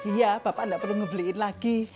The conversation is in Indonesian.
iya bapak nggak perlu ngebeliin lagi